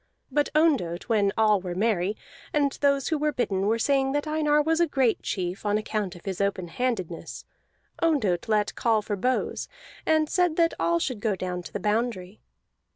But Ondott, when all were merry, and those who were bidden were saying that Einar was a great chief, on account of his open handedness Ondott let call for bows, and said that all should go down to the boundary.